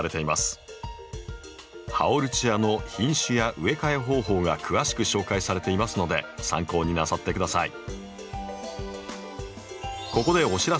ハオルチアの品種や植え替え方法が詳しく紹介されていますので参考になさって下さい。